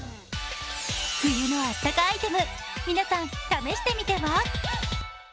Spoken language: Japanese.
冬のあったかアイテム、皆さん試してみては！